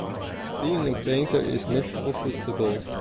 Being a painter is not profitable.